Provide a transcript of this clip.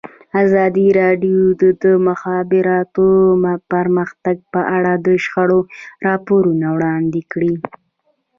ازادي راډیو د د مخابراتو پرمختګ په اړه د شخړو راپورونه وړاندې کړي.